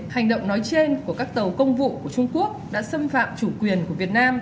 hành động nói trên của các tàu công vụ của trung quốc đã xâm phạm chủ quyền của việt nam